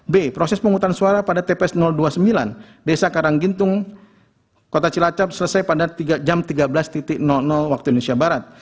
b proses penghutang suara pada tps dua puluh sembilan desa karanggintung kota cilacap selesai pada jam tiga belas waktu indonesia barat